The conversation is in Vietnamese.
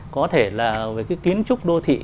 có thể là về cái kiến trúc đô thị